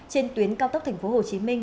trên tuyến cao tốc tp hcm